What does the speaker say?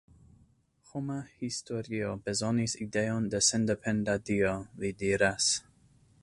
Homa historio bezonis ideon de sendependa Dio, li diras.